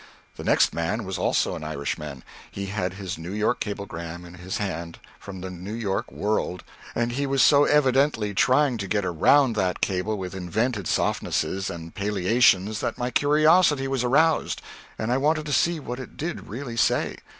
The next man was also an Irishman. He had his New York cablegram in his hand from the New York World and he was so evidently trying to get around that cable with invented softnesses and palliations that my curiosity was aroused and I wanted to see what it did really say.